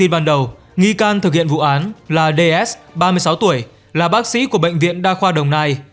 bác sĩ ds ba mươi sáu tuổi là bác sĩ của bệnh viện đa khoa đồng nai